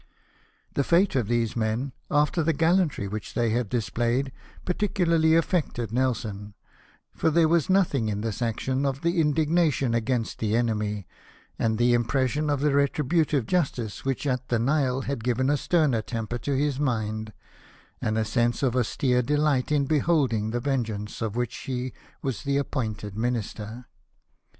The fate of these men, after the gallantry which they had displayed, particularly affected Nelson, for there was nothing in this action of that indignation against the enemy, and that impression of retributive justice, which at the Nile had given a sterner temper to his mind, and a sense of austere delight in beholding the vengeance, of which he was the appointed minister.